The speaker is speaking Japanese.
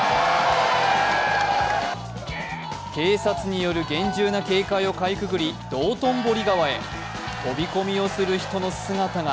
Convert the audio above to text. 警察による厳重な警戒をかいくぐり道頓堀川へ飛び込みをする人の姿が。